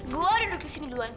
gue udah duduk disini duluan